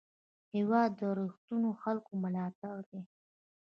هېواد د رښتینو خلکو ملاتړی دی.